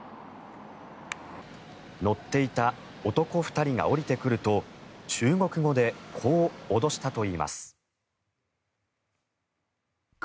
乗っていた男２人が降りてくると中国語でこう脅したといいます。